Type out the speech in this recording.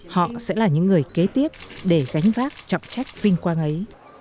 họ sẽ là những người kế tiếp để gánh vác trọng trách vinh quang ấy